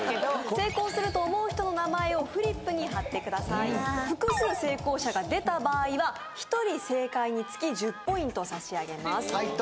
成功すると思う人の名前をフリップに貼ってください複数成功者が出た場合は１人正解につき１０ポイント差し上げます解答